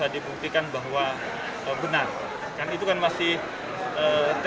di negara kpk sudah masuk